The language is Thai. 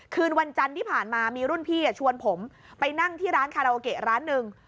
คืนวันจันทร์ที่ผ่านมามีรุ่นพี่ชวนผมไปนั่งที่ร้านคาราโอเกะร้านหนึ่ง